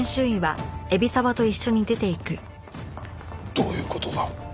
どういう事だ？